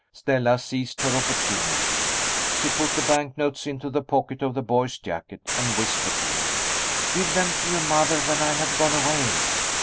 Stella seized her opportunity. She put the bank notes into the pocket of the boy's jacket, and whispered to him: "Give them to your mother when I have gone away."